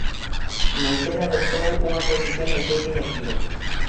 Mais el adoptou unha posición de xeito inequívoco.